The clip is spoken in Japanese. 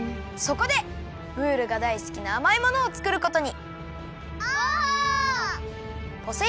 そこでムールがだいすきなあまいものをつくることにオ！